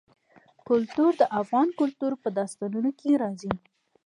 کلتور د افغان کلتور په داستانونو کې راځي.